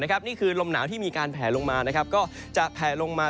นี่คือลมหนาวที่มีการแผลลงมา